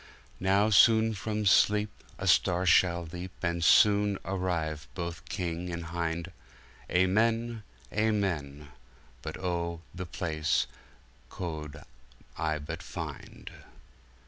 Now soone from SleepA Starre shall leap, And soone arrive both King and Hinde:Amen, Amen:But O, the Place co'd I but finde!